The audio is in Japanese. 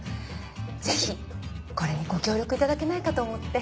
ぜひこれにご協力頂けないかと思って。